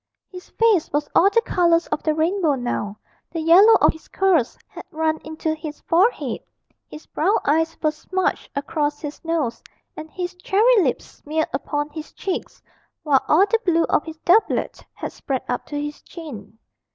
His face was all the colours of the rainbow now; the yellow of his curls had run into his forehead, his brown eyes were smudged across his nose, and his cherry lips smeared upon his cheeks, while all the blue of his doublet had spread up to his chin.